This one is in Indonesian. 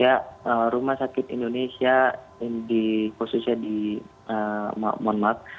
ya rumah sakit indonesia di posisinya di monmak